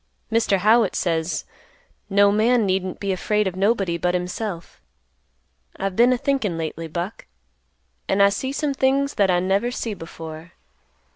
Mr. Howitt says, 'No man needn't be afraid of nobody but himself.' I've been a thinkin' lately, Buck, an' I see some things that I never see before.